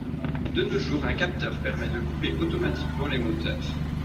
De nos jours un capteur permet de couper automatiquement les moteurs.